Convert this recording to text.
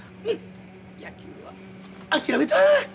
うん野球は諦めた！